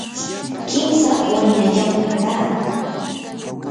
kimsa waynayuqmi kaa.